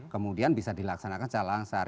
kemudian bisa dilaksanakan secara langsar